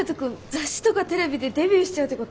雑誌とかテレビでデビューしちゃうってこと？